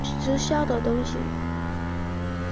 直销的东西